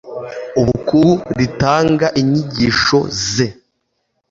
Ubukungu ritanga inyigisho z